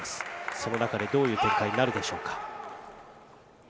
その中でどういう展開になるでしょうか？